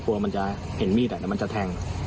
กลัวมันจะเห็นมีดแต่มันจะแทง